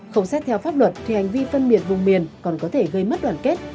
không xét theo pháp luật thì hành vi phân biệt vùng miền còn có thể gây mất đoàn kết